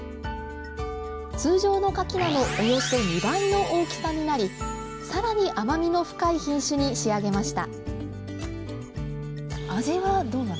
通常のかき菜のおよそ２倍の大きさになり更に甘みの深い品種に仕上げました